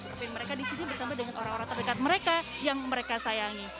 tapi mereka di sini bersama dengan orang orang terdekat mereka yang mereka sayangi